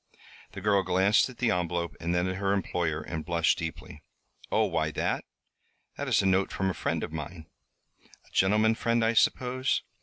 The girl glanced at the envelope and then at her employer and blushed deeply. "Oh, why that that is a note from a friend of mine." "A gentleman friend, I suppose."